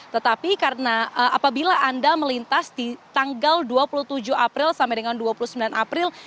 tetapi karena apabila anda melintas di tanggal dua puluh tujuh april sampai dengan dua puluh sembilan april